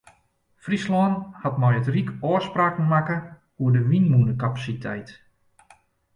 Fryslân hat mei it ryk ôfspraken makke oer de wynmûnekapasiteit.